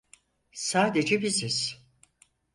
Sadece biziz.